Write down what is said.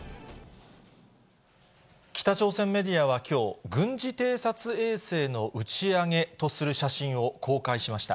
北朝鮮メディアはきょう、軍事偵察衛星の打ち上げとする写真を公開しました。